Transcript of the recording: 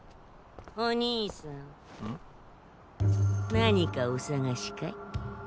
何かお探しかい？